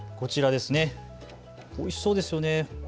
おいしそうですよね。